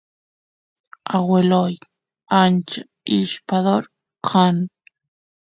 agueloy ancha ishpador kan